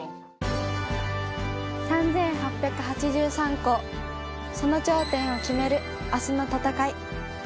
３８８３校、その頂点を決める明日の戦い。